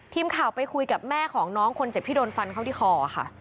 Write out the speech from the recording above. ทีมข่าวไปคุยกับแม่ของน้องคนเจ็บที่โดนฟันเข้าที่คอค่ะ